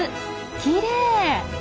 きれい！